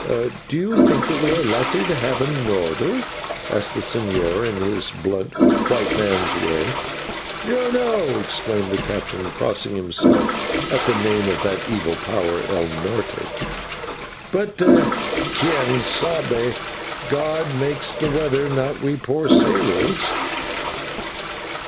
"Do you think that we are likely to have a norther?" asked the señor in his blunt white man's way. "No, no," exclaimed the captain, crossing himself at the name of that evil power /el Norte/, "but /quien sabe!/ God makes the weather, not we poor sailors."